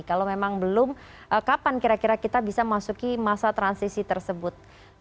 kalau memang belum kapan kira kira kita bisa masuki masa transisi tersebut